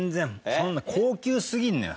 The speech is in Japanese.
そんな高級すぎるのよ。